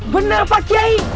bener pak kiai